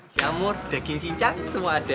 camur daging sincang semua ada